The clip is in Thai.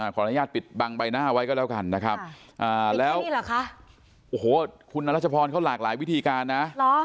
ขออนุญาตปิดบังใบหน้าไว้ก็แล้วกันนะครับแล้วโอ้โหคุณรัชพรเขาหลากหลายวิธีการนะ